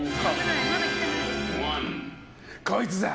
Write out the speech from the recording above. こいつだ！